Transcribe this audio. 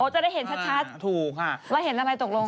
จะได้เห็นชัดถูกค่ะว่าเห็นอะไรตกลง